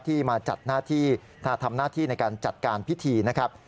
ที่มาจัดหน้าที่ทำหน้าที่ในการจัดการพิธีนะครับ